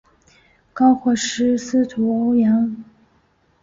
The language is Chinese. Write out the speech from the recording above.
高获师事司徒欧阳歙。